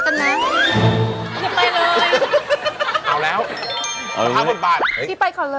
กลัวค่ะ